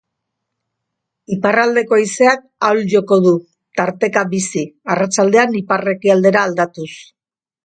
Iparraldeko haizeak ahul joko du, tarteka bizi, arratsaldean ipar-ekialdera aldatuz.